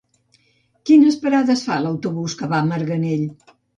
Quines parades fa l'autobús que va a Marganell?